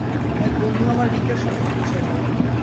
এক বন্ধু আমার রিকের সঙ্গে পরিচয় করায়।